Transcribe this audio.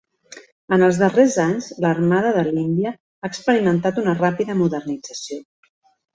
En els darrers anys, l'Armada de l'Índia ha experimentat una ràpida modernització.